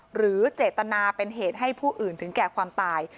หรือเจตนาเป็นเหตุให้ผู้อื่นถึงแก่ความตาย